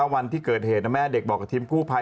วันที่เกิดเหตุแม่เด็กบอกกับทีมกู้ภัย